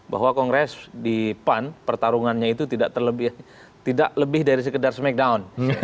bahwa kongres di pan pertarungannya itu tidak lebih dari sekedar smackdown